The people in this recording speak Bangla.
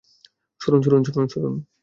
সরুন, সরুন, সরুন, সরুন!